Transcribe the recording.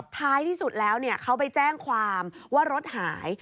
ท้ายที่สุดแล้วเขาไปแจ้งความว่ารถหาย